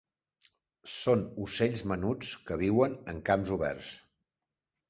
Són ocells menuts que viuen en camps oberts.